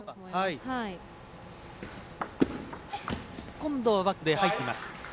今度はバックで入っています。